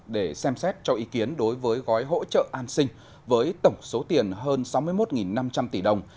để xem xét cho ý kiến đối với gói hỗ trợ an sinh với tổng số tiền hơn sáu mươi một năm trăm linh tỷ đồng